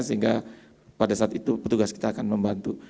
sehingga pada saat itu petugas kita akan membantu